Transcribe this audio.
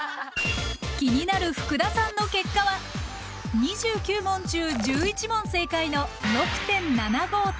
気になる福田さんの結果は２９問中１１問正解の６．７５点。